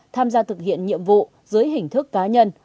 tham gia thực hiện nhiệm vụ dưới hình thức cá nhân